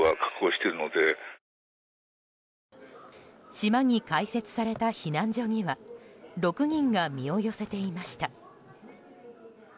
島に開設された避難所には６人が身を寄せていました。